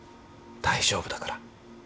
大丈夫だから。